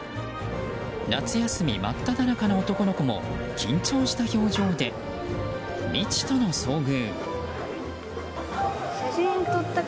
夏休み真っただ中の男の子も緊張した表情で未知との遭遇。